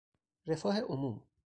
رفاه عموم